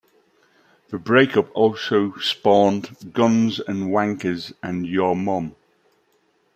The break-up also spawned Guns n' Wankers and "Your Mum".